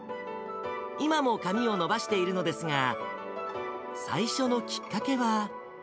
今も髪を伸ばしているのですが、最初のきっかけは。